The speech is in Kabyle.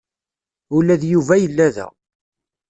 Ula d Yuba yella da.